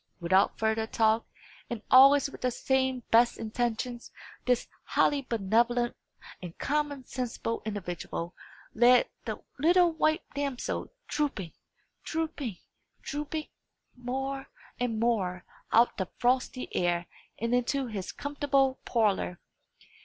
Without further talk, and always with the same best intentions, this highly benevolent and common sensible individual led the little white damsel drooping, drooping, drooping, more and more out of the frosty air, and into his comfortable parlour.